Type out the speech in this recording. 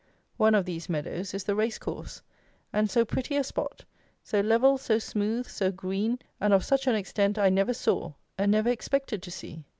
One of these meadows is the race course; and so pretty a spot, so level, so smooth, so green, and of such an extent I never saw, and never expected to see.